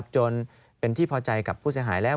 จนเป็นที่พอใจกับผู้เสียหายแล้ว